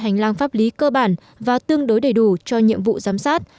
hành lang pháp lý cơ bản và tương đối đầy đủ cho nhiệm vụ giám sát